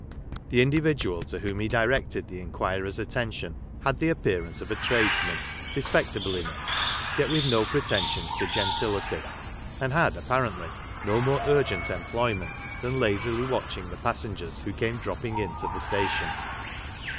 The individual to whom he directed the inquirer's attention had the appearance of a tradesman — respectable enough, yet with no pretensions to "gentility," and had, apparently, no more urgent employ ment than lazily watching the passengers who came dropping in to the station.